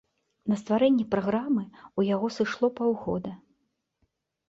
На стварэнне праграмы ў яго сышло паўгода.